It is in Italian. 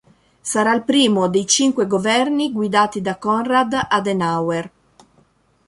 Sarà il primo dei cinque governi guidati da Konrad Adenauer.